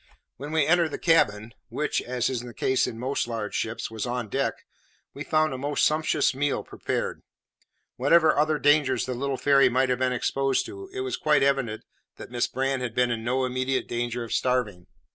When we entered the cabin, which, as is the case in most large ships, was on deck, we found a most sumptuous meal prepared. Whatever other dangers the little fairy might have been exposed to, it was quite evident that Miss Brand had been in no immediate danger of starving.